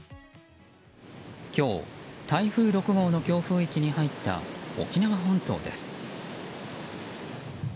今日台風６号の強風域に入った沖縄本島です。